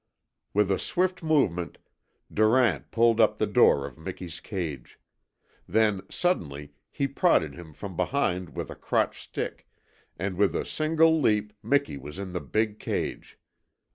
With a swift movement Durant pulled up the door of Miki's cage. Then, suddenly, he prodded him from behind with a crotched stick, and with a single leap Miki was in the big cage.